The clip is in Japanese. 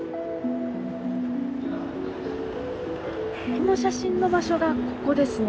この写真の場所がここですね。